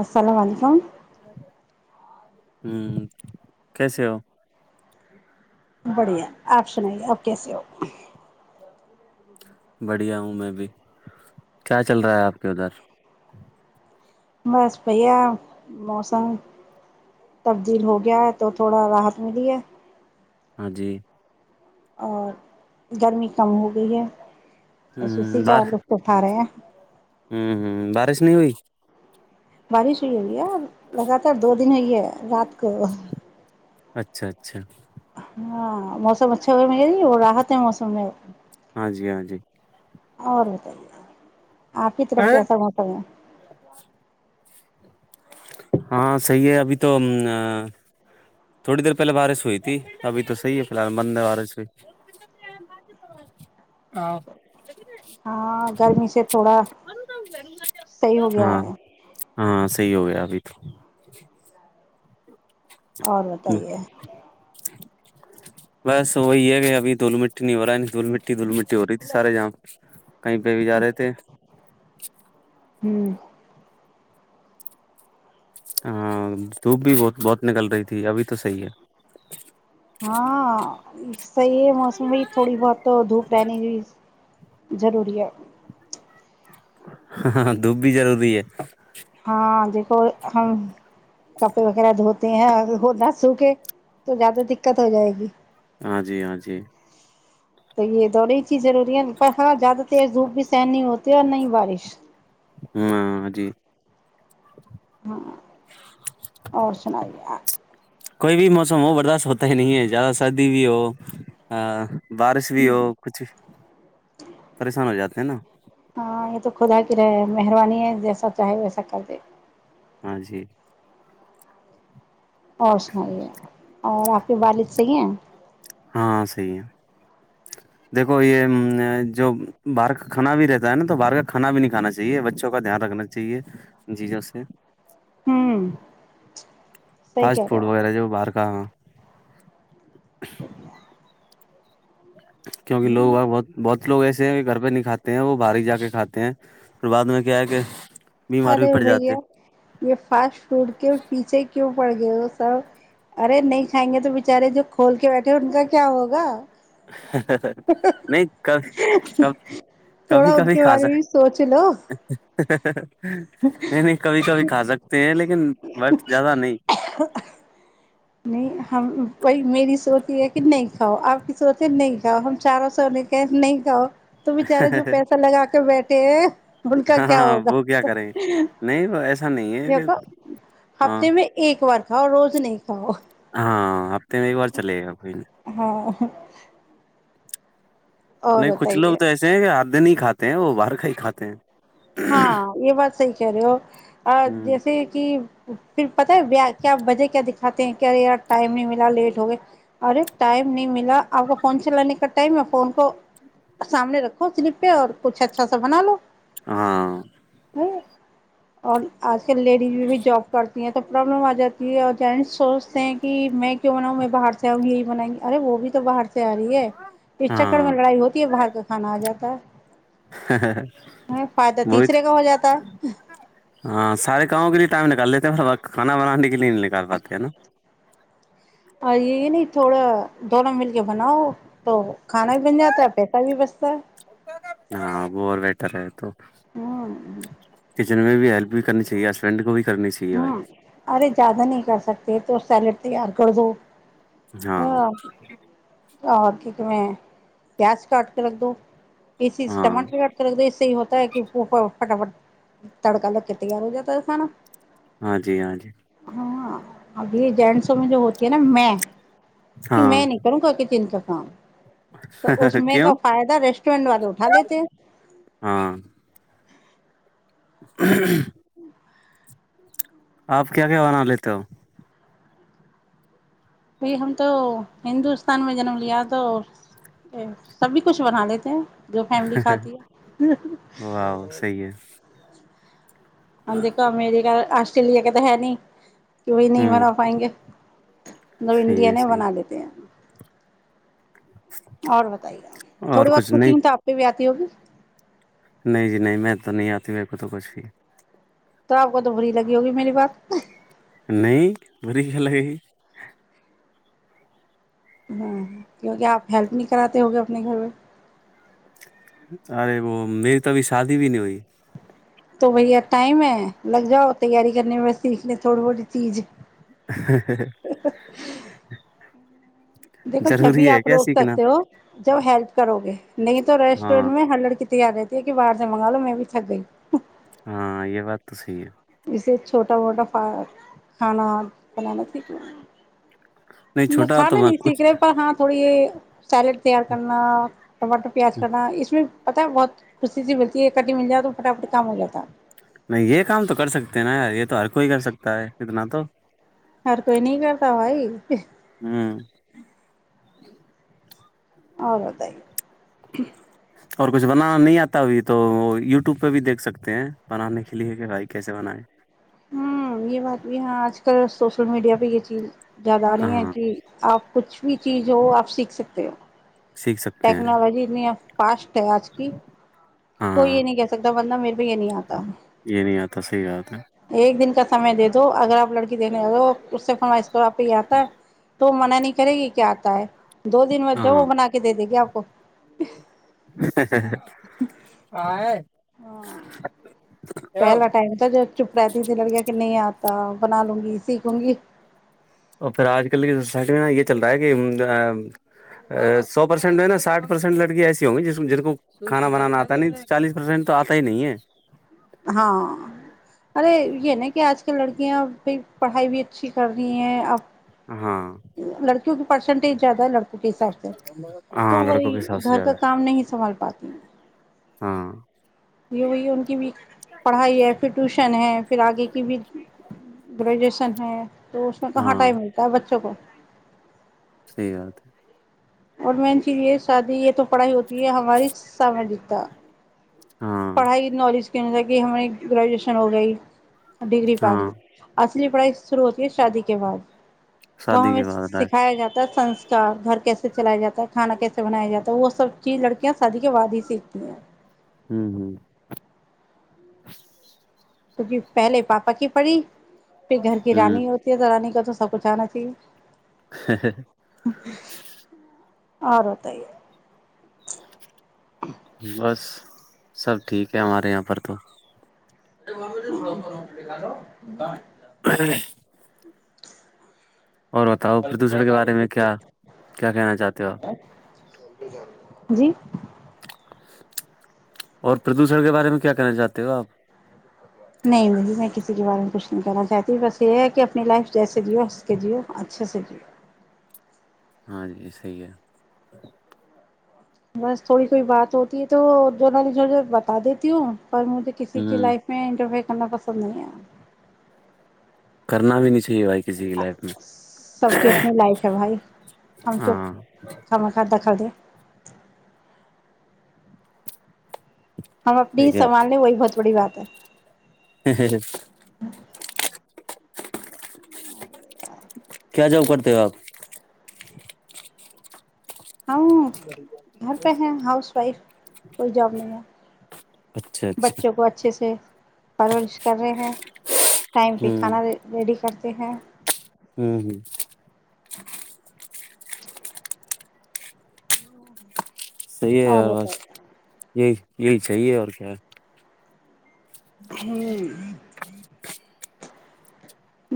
ا [unintelligible] سسلام علیکم ہ کیسے ہو [unintelligible] بڑھیا آپشن ہے اوکے س اوک بڑھیا ہوں میں بھی کیا چل رہا ہے آپ کے ادھر بس بھیا موسم تبدیل ہو گیا ہے تو تھوڑا راحت ملی ہے ہاں جی اور گرمی کم ہو گئی ہے اشی ہ بار چا رفر اٹھا رہے ہیں س بارش ہوئی ہے بھیا لگاتار دو دن ہو ہے رات کو اچھا اچھا ہاں موسم اچھا ہوئے م جی وہ راحت ہے موسم میں ہاں جی ہاں جی اور بت آپ کی طرف کیسا موسم ہے ہاں صحیح ہے ابھی تو تھوڑی دیر پہلے بارش ہوئی تھی ابھی تو صحیح ہے فی الحال مند ہے بارش ہوئی ہاں گرمی سے تھوڑا صحیح ہو گیا ہاں ہے ہاں صحیح ہو گیا ابھی تو اور بتائیے بس وہی ہے کہ ابھی دھول مٹی نہیں ہو رہا ہے دھول مٹی دھول مٹی ہو رہی تھی سارے جام کہیں پہ بھی جا رہے تھے [inaudible] ہوں ہاں تو بھی بت بہت نکل رہی تھی ابھی تو صحیح ہے [unintelligible] صحیح ہے موسم ب تھوڑی بہت دھوپ رہنے ضروری ہے [unintelligible] ہاں دیکھو ہم کپڑے وغیرہ دھوتے ہیں ہو نہ سو کے تو زیادہ دقت ہو جائے گی ہاں جی ہاں جی تو یہ تو نہیںی ضروری ہے پر ہاں زیادہ تیرز زھو بھی سہن نہیں ہوتا کیا نہیں بارش ہاں جی [unintelligible] اور سنائییا کوئی بھی موسم ہو برداشت ہوتا ہی نہیں ہے زیادہ سردی بھی ہو ہ بارش بھی ہو کچھ بھی پریشان ہو جاتے ہیں نا ہاں یہ تو خدا کی رہ مہربانی ہے جیسا چاہے ویسا کر دے [unintelligible] ہاں جی [unintelligible] اور سناائی ہے اور آپ [unintelligible] کے والد صحیح ہیں ہاں صحیح ہے دیکھو یہ جو باہر کا کھانا بھی رہتا ہے نا تو باہر کا کھانا بھی نہیں کھانا چاہیے بچوں کا دھیان رکھنا چاہیے جیزوں سے [unintelligible] ہوں صحیح فاسٹ کہہ رہے فوڈ ہو وغیرہ جو وہ باہر کاا [unintelligible] [inaudible] کیونک لوگ بہت بہت لوگ ایسے ہیں کہ گھر پہ نہیں کھاتے ہیں وہ بھاری جا کے کھاتے ہیں پھر بعد میں کیا ہے کہ [unintelligible] ارے پڑ جاتے بھیا ہیں۔ یہ فاسٹ فوڈ کے پیچھے [unintelligible] کیوں پڑ گئے وہ سب ارے نہیں کھائیں گے تو بچارے جو کھول کے بیٹھے ان کا کیا ہوگا [unintelligible] نہیں ک کب تھوڑا کبھی ان کبھی کے بارے کاصا میں [unintelligible] بھی سوچ لو ہ [unintelligible] نہیں نہیں کبھی کبھی کھا سکتے ہیں لیکن بت زیادہ نہیں نہیں ہم بی میری سوچ یہ ہے کہ نہیں کھاؤ آپ کی سوچ ہے نہیں کھاؤ ہم چاروں سو نے کہ نہیں کھاؤ تو بچارے جو پیسہ لگا کے بیٹھ [unintelligible] ت [unintelligible] ان کا ہاں کیا ہاں ہوگا وہ کیا کریں نہیں وہ ایسا نہیں ہے کہ ہاں ہفتے میں ایک بار [unintelligible] اوراں روز نہیں پا [unintelligible] ہاں ہفتے میں ایک بار چلے گا کوئی [unintelligible] ہاں [unintelligible] چ [unintelligible] نہیں کچھ لوگ تو ایسے ہیں کہ ہاتھ نہیں کاتے ہیں وہ باہر کھ ہی کھاتے ہیں [unintelligible] ہاں یہ بات صحی کہہ رہے ہو ہ جیسے کہ [unintelligible] پھر پت ہے بیا کیا وجہ کیا دکھاتے ہیں کیا یار ٹائم نہیں ملا لیٹ ہو گیا ارے ٹائم نہیں ملا [unintelligible] آپ کو فن سے لے ک [unintelligible] میں فون کو سامنے رکھو سلپ پہ اور کچھ اچھا س بنا لو [unintelligible] ہاں [unintelligible] میں اور [unintelligible] آج کل لیڈیز بھی جاب کر [unintelligible] تو پرابلم آ جاتی ہے اور جینس سوچتے ہیں کہ میں کیوں بناؤں م میں باہر سے آؤں یہی بنیں گی ارے وہ بھ تو باہر سے آ رہی ہے اس چکر میں ہاں لڑائی ہوتی ہے باہر کا کھانا آ جاتا ہے ہ [unintelligible] فائدہ بت تیسرے کا ہو جاتا ہے ہاں سارے کاموں کے لیے ٹائم نکال لیتے کھانا بانانی کے لیے نہیں نےکال پاتے ہے نا اور یہ نہیں تھوڑا دونوں مل کے بناؤ تو کھانا بھی بن جاتا ہے پیسہ بھی بچتا ہے ہاں وہ بیٹر ہے تو ہوں کچن میں بھی ہیلپ بھی کرنی چاہیے ہسبینڈ کو بھی کرنی چاہیے بھائی ہوں ارے زیادہ نہیں کر سکتے تو سیلیڈ تیار کر دو ہاں اور کی کہ ہیں پیاس کاٹ کے رکھ دو اسی سے ہاں ٹماٹر کاٹ کے رکھ د اس سے ہی ہوتا ہے کہا فٹافٹ تڑکا لگ کے تیار ہو جاتا تھا سانا ہاں جی ہاں جی ہاں ابھی جینسوں میں جو ہوتی ہے نا میں کہ ہاں میں نہیں کروں گا کہ دن کاک ہاں تو اس میں کیوں کا فائدہ ریسٹورینٹ والے اٹھا لیتے ہیں ہاں [inaudible] آپ کیا کہوناا لیتے ہو بائی ہم تو ہندوستان میں جنم لیا تو سبھی کچھ بنا لیتے ہیں جو فیملی کھاتی ہے واہ صحیح ہے ہم دیکھو امیریکا آسٹریلیا کے تو ہے نہیں کیی نہیں ہوں منا پائیں گے مطب صحیح ہے انڈین ہی صحیح بنا لیتے ہیں اور بتائیے اور تھوڑی بہت کچھ نہیں کوکنگ تو آپ پہ بھی آ تیو بھی نہیں جی نہیں میں تو نہیں آتی میرے کو تو کچھ بھی تو آ کو تو بری لگی ہوگی میری بات نہیں بڑی گل ہےگ ہ ہاں کیونکہ آپ ہیلپ نہیں کراتے ہو گے اپنے گھر میں ارے وہ میری تو ابھی شادی بھی نہیں ہوئی تو بھیا ٹائم ہے لگ جاؤ تیاری کرنے میں سیکھ لیں تھوڑی بہڑی چیز ج [inaudible] [inaudible] دیکھو جب بھی ضروری ہے آپ کیا روک سیکھنا سکتے ہو جب ہیلپ کرو گے نہیں تو ریسٹورینٹ ہاں میں ہر لڑک رہتی ہے کہ باہر سے مگا لو میں بھی تھک گئی ہاں یہ بات تو صحی ہے ایسے چھوٹا موٹا کھانا بنانا سیکھ نہیں چھوٹا تو کھانا میں نہیں سیکھ کچھ رہے پر ہاں تھوڑی یہ سیلڈ تیار کرنا ٹماٹر پیاز کرنا اس میں پتا بہت خشی سی ملتی ہے ایک کٹی مل جاے تو فٹافٹ کام ہو جاتا نہیں یہ کام تو کر سکتے ہیں نا یار یہ تو ہر کوئی کر سکتا ہے اتنا تو ہر کوئی نہیں کرتا بھائی ہاں اور بتائیے اور کچھ بنانا نہیں آتا بھی تو وہ یوٹیوب پہ بھی دیکھ سکتے ہیں بنانے کے لیے کہ بھائی کیسے بنائے ہوں یہ بات بھی ہے آج کل [unintelligible] سوشل میڈیا پہ یہ چیز زیادہ آ رہی ہے ہاں کہ آپ کچھ بھی چیز ہو آپ سیکھ سکتے ہو سیکھ سکتے ہیں ٹیکنالوجی اتنی فاسٹ آج کی کوئی ہاں یہ نہیں کہہ سکتا ورنہ میرے کو یہ نہیں آتا صحیح بات ہے ایک دن کا سمے دے دو اگر آپ لڑکی دیکھنے جا رہے ہو اس سے فرمائش کرو کہ آپ کو یہ آتا ہے تو وہ منع نہیں کرے گی آتا ہے دو دن مت جا وہ ہاں بنا کے دے د گے آپ [inaudible] [unintelligible] پہلے ٹائم تھا جب چپ رہتی تھی لڑکیا کہ نہیں آتا بنا لوں گی سیکھ لوں گی اور پھر آج کل کی سوسائٹی میں نا یہ چل رہا ہے کہ سو پرسینٹ مے نا ساٹھ پرسینٹ لکڑیاں ایسی ہوں گی جن کو کھانا بنانا آتا نہیں چالیس پرسینٹ تو آتا ہی نہیں ہے ہاں ارے یہ نا کہ آج کل کی لڑکیاں پڑھائی بھی اچھی کر رہی ہیں اب ہاں کیونکہ پرسنٹیج زیادہ ہے لڑکوں کے حساب سے تو ہاں وہی لڑکوں کے حساب سے گھر زیادہ کا ہے۔ کام نہیں سنبھال پاتی ہاں یہ وہی ان کی بھی پڑھائی ہے پھر ٹیوشن ہے پھر آگے کی بھی گریجویشن ہے تو اس میں کہاں ہاں ٹائم ملتا ہے بچوں کو صحیح بات ہے اور میں چی یہ شادی یہ تو پڑھائی ہوتی ہے ہماری ساماجکتا ہاں پڑھائی نالج کہنے تھا کہ ہماری گریجویشن ہو گئی ڈگری پڑی ہاں پے پڑھائی شرو ہوتی ہے شادی کے بعد وہ شادی ہمیں کے بعد رائٹ سکھایا جاتا تھا سنسکار گھر کیسے ے چلایا جاتا ہے کھا کیسے بنایا جاتا ہے وہ سب چیز لڑکیاں شادی کے بعد ہی سیکھتی ہیں ہوں ہوں کیکہ پہلے پاپا کی پڑی پھر گھر کی ہ رانی ہوتی ہے تو رانی کا تو سب کچھ آنا چاہیے ہ اورت ہی ہے بس سب ٹھیک ہے ہمارے یہاں پر تو ہیلو ا اور بتاؤ پردوشن کے بارے میں کیا کیا کہنا چاہتے ہو آپ جی اور پردوشن کے بارے میں کیا کہنا چاہتے ہو آپ نہیں نہیںی میں کسی کے بارے میں کچھ نہیں کہنا چاہتی بس یہ ہے کہ اپنی لائف جیسے جیو ہنس کے جیو اچھے سے جیو ہاں جی صحیح ہے بس تھوڑی کوئی بات ہوتی ہے تو جو نہ نے بتا دیتی ہوں اور مجھے کسی کی ہوں لائف میں انٹر فیئر کرنا پسند نہیں ہے کرنا بھی نہیں چاہیے بھائی کسی کی لائف میں سب کی اپنی لائف ہے بھائی ہم کیوں ہاں کھانا کھا دخل دے۔۔ ہم اپنی ٹھیک سنبال لیں وہی بہت بڑی بات ہے ہے کیا جاب کرتے ہو آپ ہم گھر پہ ہیں ہاؤس وائف کوئی جاب نہیں اچھا ہے اچھا بچوں کو اچھے سے پرورش کر رہے ہیں ٹائم پہ کھانا ریڈی کرتے ہیں ہوں ہوں صحیح ہے اور یار بس بتائیے یہی یہی چاہیے اور کیا ہوں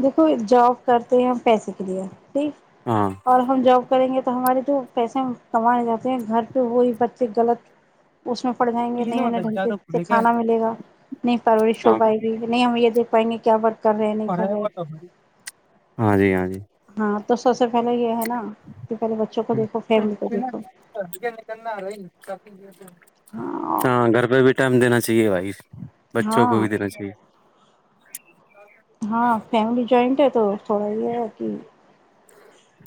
دیکھو جاب کرتے ہیں ہم پیسے کے لیے ج ہاں اور ہم جاؤ کریں گے تو ہمارے تو پیسے کمانے چاہے ہیں گھر پہ وہی بچے غلط اس میں پڑ جائیں گے نہیں انہیں ڈھلک سے کھانا ملے گا نہیں پرورش ہو ہاں پائے گی نہیں ہم یہ دیکھ پائیں گے کیا بات کر رہے ہیں نہیں اور کر رہے ہاں جی ہاں جی [unintelligible] ہاں تو سب سے پہلے یہ ہے نا کہ پہلے بچوں کو دیکھو فیملی کو دیکھو نکلنا رہ [inaudible] ہاں گھر پہ بھی ٹائم دینا چچیے بھائی [inaudible] بچوں کو ہاں بھی دینا چاہیے ہاں فیملی جوائنٹ ہے تو تھوڑا یہ ہے کہ [unintelligible]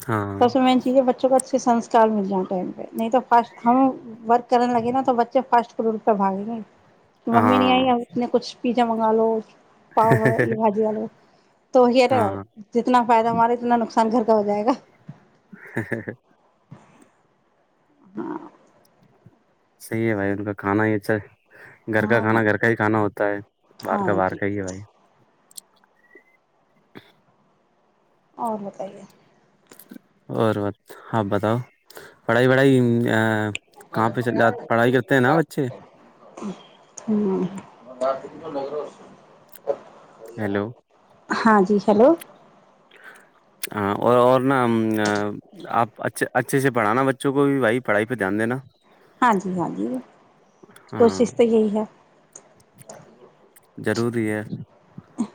ہاں سس م میںین چاہیے بچوں کا اچھا اس سے سنسک مل جاؤں ٹائم پہ نہیں تو فاسٹ ہم ورک کرنے لگے نا تو بچے فاسٹ فوڈ پہ بھگیں گے ممی نہیں آئی ہاں ہے ات نے کچھ پی منگا لو [unintelligible] پاؤ یہ بھجی والے تو ہیا ہاں جتنا فائدہ ہمارا اتنا نقصان کان گھر کا ہو جائے گا ہ ہاں [inaudible] صحیح ہے بھائی ان کا کھانا ہی اچھا ہے گھر کا ہاں کھانا گھر کا ہی کھانا ہوتا ہے باہر ہاں کا ہاں باہر جی کا ہی ہے بھائی اور بتائیے اور ب ہپ بتاؤ پڑھائی وڑھائی کہاں پہ چل جات پڑھائی کرتے ہیں نا بچے ہ ہیلو [inaudible] ہاں جی ہیلو ہاں اور اور نہا آپ ا اچھے سے پڑھانا بچوں کو بھی بھائی پڑھائی پہ دھیان دینا ہاں جی ہاں جی کوشش تو یہی ہے روری ہے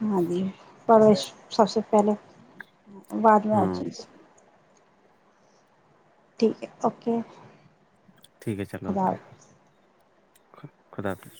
ہاں جی پرورش سب سے پہلے بعد میں ہاں اچوس [inaudible] ٹھیک ہے اوکے ٹھیک ہے چلو خدا اوکے حافظ خ خدا حافظ